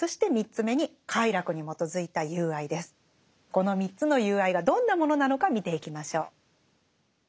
この３つの友愛がどんなものなのか見ていきましょう。